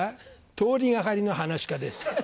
通りがかりの噺家です。